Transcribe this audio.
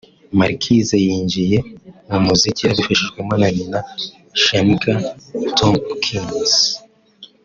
Marquise yinjiye mu muziki abifashijwemo na nyina Shaniqua Tompkins